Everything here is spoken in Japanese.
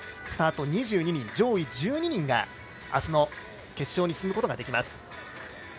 スタート２２人、上位１２人があすの決勝に進むことができます。